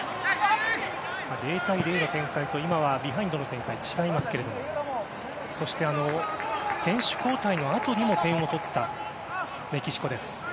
０対０の展開で、今はビハインドの展開なので違いますけれどもそして、選手交代のあとにも点を取ったメキシコです。